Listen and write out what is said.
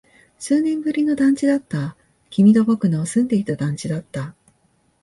数年ぶりの団地だった。君と僕の住んでいた団地だった。